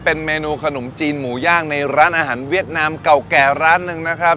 เป็นเมนูขนมจีนหมูย่างในร้านอาหารเวียดนามเก่าแก่ร้านหนึ่งนะครับ